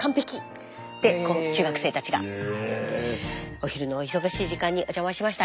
お昼のお忙しい時間にお邪魔しました。